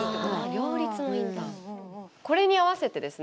これに合わせてですね